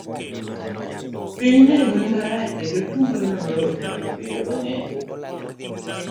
Piny ne ng'we marach, kendo ochunglo nochako bedo mang'eny.